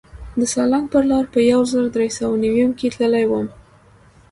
د سالنګ پر لاره په یو زر در سوه نویم کې تللی وم.